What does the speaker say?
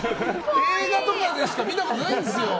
映画とかでしか見たことないんですよ。